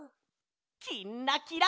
「きんらきら」。